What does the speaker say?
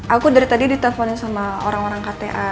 aku dari tadi diteleponin sama orang orang kta